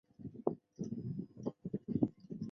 博斯河畔昂克托维尔。